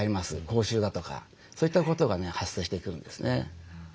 口臭だとかそういったことがね発生してくるんですね。